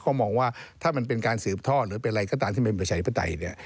เขามองว่าถ้ามันเป็นการสืบท่อหรือเป็นอะไรก็ตามที่เป็นประชาธิปไตยเนี่ย